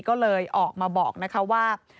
ก็เลยออกมาบอกนะคะว่า